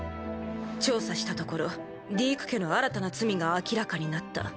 調査したところディーク家の新たな罪が明らかになった。